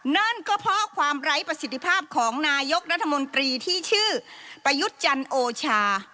นั่นก็เพราะความไร้ประสิทธิภาพของนายกรัฐมนตรีที่ชื่อประยุทธ์จันทร์โอชา